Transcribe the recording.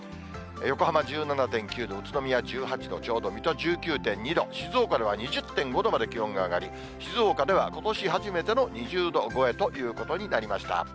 横浜１７．９度、宇都宮１８度ちょうど、水戸１９．２度、静岡では２０．５度まで気温が上がり、静岡ではことし初めての２０度超えということになりました。